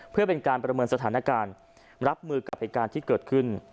เพื่อเป็นการประเมินสถานการณ์รับมือกับเหตุการณ์ที่เกิดขึ้น